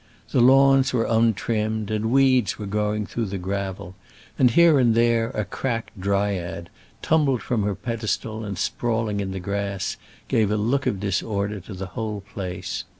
The lawns were untrimmed and weeds were growing through the gravel, and here and there a cracked Dryad, tumbled from her pedestal and sprawling in the grass, gave a look of disorder to the whole place.